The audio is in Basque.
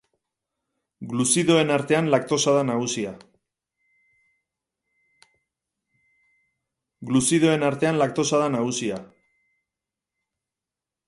Gluzidoen artean laktosa da nagusia.